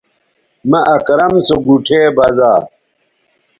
مہ اکرم سو گوٹھے بزا